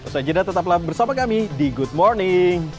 saya jeda tetaplah bersama kami di good morning